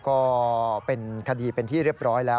ก็เป็นคดีเป็นที่เรียบร้อยแล้ว